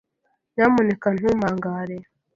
Nyamuneka ntumpamagare.